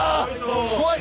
怖い！